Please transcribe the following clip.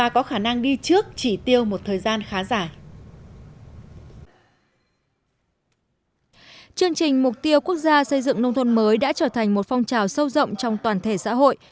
chương trình mục tiêu quốc gia xây dựng nông thôn mới đã trở thành một phong trào sâu rộng trong toàn thể xã hội